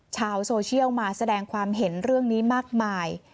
ชาวโซเชียลมาแสดงความเห็นเรื่องนี้มากมาย